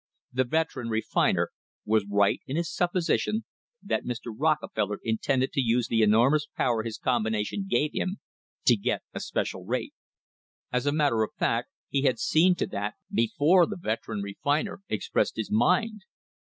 "The veteran refiner" was right in his supposition that Mr. Rockefeller intended to use the enormous power his combina tion gave him to get a special rate. As a matter of fact he had seen to that before the "veteran refiner" expressed his mind.